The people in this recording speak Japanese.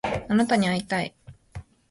あなたに会いたい